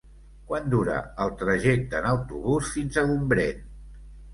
Quant dura el trajecte en autobús fins a Gombrèn?